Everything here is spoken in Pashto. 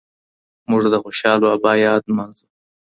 موږ د خوشحال بابا یاد نمانځو